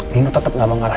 nino tetep gak mengalah